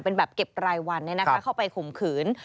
เป็นแบบเก็บรายวันเนี่ยนะคะเข้าไปขุมขืน